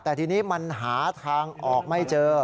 แต่ทีนี้มันหาทางออกไม่เจอ